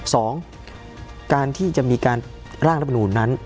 สองการที่จะมีการร่างรัฐมนูลนั้น